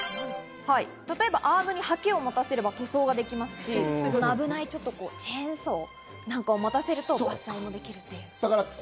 例えばアームにハケを持たせれば塗装ができますし、危ないチェーンソーなんかを持たせると伐採などもできると。